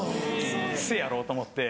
せやろ！と思って。